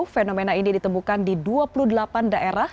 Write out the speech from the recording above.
fenomena ini ditemukan di dua puluh delapan daerah